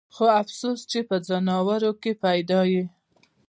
خو افسوس چې پۀ ځناورو کښې پېدا ئې